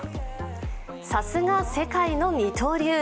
さすが世界の二刀流。